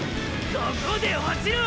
ここで落ちろォ！！